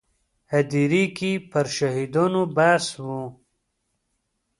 هدیرې کې پر شهیدانو بحث و.